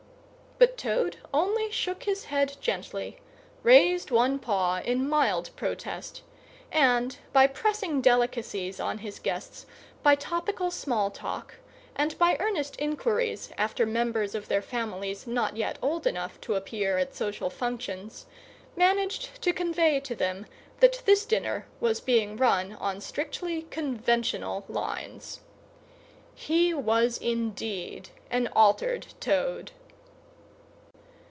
But Toad only shook his head gently, raised one paw in mild protest, and, by pressing delicacies on his guests, by topical small talk, and by earnest inquiries after members of their families not yet old enough to appear at social functions, managed to convey to them that this dinner was being run on strictly conventional lines. He was indeed an altered Toad!